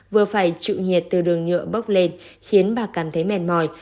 vừa phải chịu nhiệt từ đường nhựa bốc lên khiến bà cảm thấy mệt mỏi